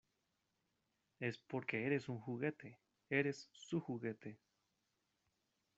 Es porque eres un juguete. Eres su juguete .